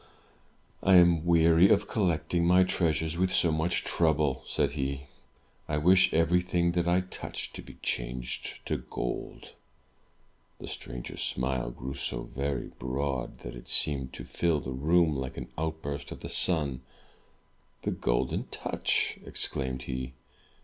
I am weary of collecting my treasures with so much trouble,*' said he. "I wish everything that I touch to be changed to gold!'* The stranger's smile grew so very broad, that it seemed to fill the room like an outburst of the sun. "The Golden Touch!'* exclaimed he.